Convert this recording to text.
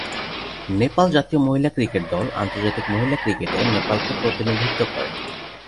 নেপাল জাতীয় মহিলা ক্রিকেট দল, আন্তর্জাতিক মহিলা ক্রিকেটে নেপালকে প্রতিনিধিত্ব করে।